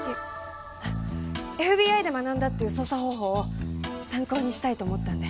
ＦＢＩで学んだっていう捜査方法を参考にしたいと思ったんで。